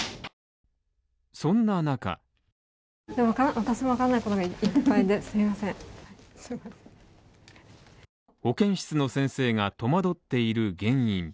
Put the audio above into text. そんな中保健室の先生が戸惑っている原因